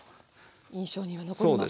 印象には残りますけども。